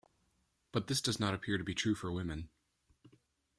But this does not appear to be true for women.